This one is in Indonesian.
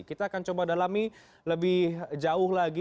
kita akan coba dalami lebih jauh lagi